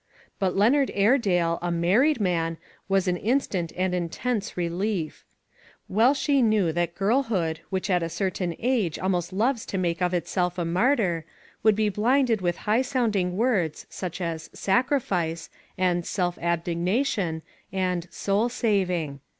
But Leonard Aire dale a married man was an instant and in tense relief. Well she knew that girlhood, which at a certain age almost loves to make of itself a martyr, could be blinded with high sounding words, such as " sacrifice," and "self abnegation," and "soul saving."